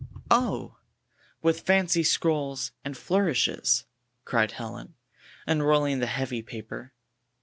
"Oh, with fancy scrolls and flourishes!" cried Helen, unrolling the heavy paper.